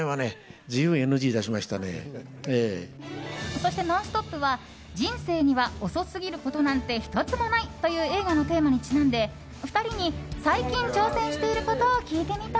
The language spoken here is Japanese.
そして「ノンストップ！」は人生には遅すぎることなんて１つもない！という映画のテーマにちなんで２人に最近、挑戦していることを聞いてみた。